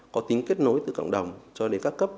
có tính kết nối từ cộng đồng cho đến các cấp